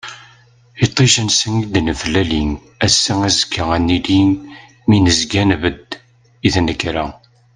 Iṭij ansa i d-neflali, ass-a azekka ad nili, mi nezga nbedd i tnekra.